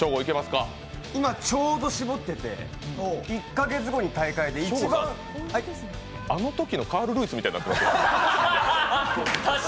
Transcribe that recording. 今、ちょうどしぼってて、１か月後に大会であのときのカール・ルイスみたいになってますよ？